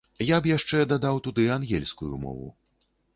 Я б яшчэ дадаў туды ангельскую мову.